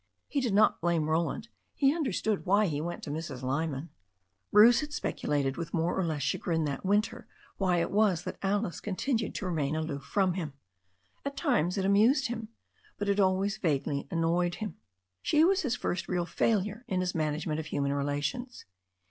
He did not blame Roland. He understood why he went to Mrs. L)rman. Bruce had speculated with more or less chagrin that win ter why it was that Alice continued to remain aloof from him. At times it amused him. But always it vaguely an noyed him. She was his first real failure in his manage ment of human relations.